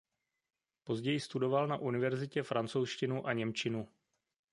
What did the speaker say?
Později studoval na univerzitě francouzštinu a němčinu.